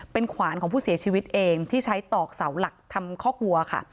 เป็นขวานของผู้เสียชีวิตเองที่ใช้ตอกเสาหลักทำคอกวัวค่ะ